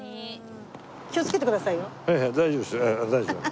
気をつけてくださいよ。